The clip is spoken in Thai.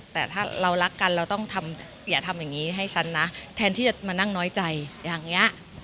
แต่ถ้าเรารักกันเราต้องทำอย่าทำอย่างนี้ให้ฉันนะแทนที่จะมานั่งน้อยใจอย่างนี้